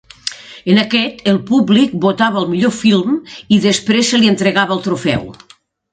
En aquest el públic votava el millor film i després se li entregava el trofeu.